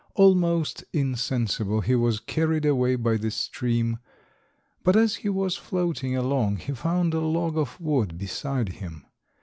Almost insensible he was carried away by the stream, but as he was floating along he found a log of wood beside him.